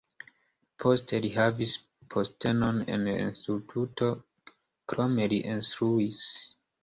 Poste li havis postenon en instituto, krome li instruis.